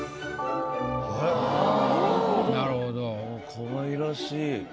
かわいらしい。